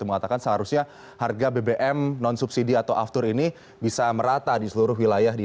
mengatakan seharusnya harga bbm non subsidi atau aftur ini bisa merata di seluruh wilayah di